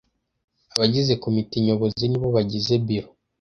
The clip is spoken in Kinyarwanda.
Abagize Komite nyobozi nibo bagize biro